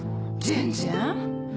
全然！